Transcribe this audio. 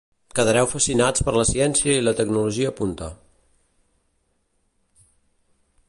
Quedareu fascinats per la ciència i la tecnologia punta.